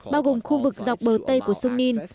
bao gồm khu vực dọc bờ tây của sungin